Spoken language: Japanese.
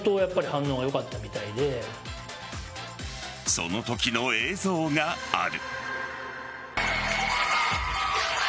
そのときの映像がある。